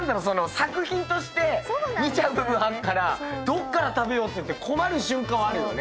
作品として見ちゃうとこがあるからどっから食べようって困る瞬間はあるよね。